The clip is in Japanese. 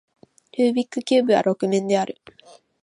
ルービックキューブは六面である